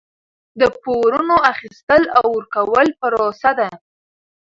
د پورونو اخیستل او ورکول پروسه ده.